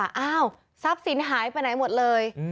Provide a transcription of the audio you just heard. อ้าวทรัพย์สินหายไปไหนหมดเลย